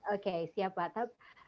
oke siap pak